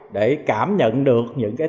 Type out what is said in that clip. để cảm nhận được những cái